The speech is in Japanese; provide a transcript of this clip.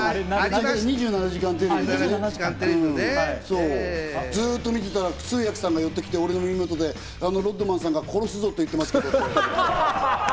『２７時間テレビ』で、ずっと見てたら通訳さんが寄ってきて、俺の耳元でロッドマンさんが「殺すぞ！」って言ってるって。